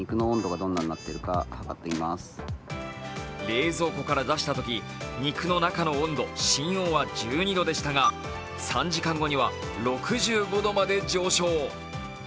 冷蔵庫から出したとき肉の中の温度、芯温は１２度でしたが３時間後には６５度まで上昇。